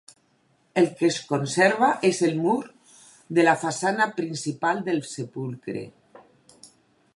El que es conserva és el mur de la façana principal del sepulcre.